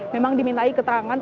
memang dimintai keterangan